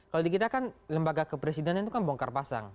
kalau di kita kan lembaga kepresidenan itu kan bongkar pasang